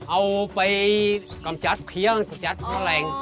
เอาไปกำจัดเคียงจัดกล้าแหล่ง